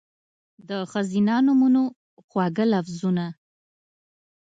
د ښځېنه نومونو، خواږه لفظونه